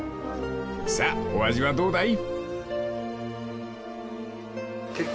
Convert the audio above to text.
［さあお味はどうだい？］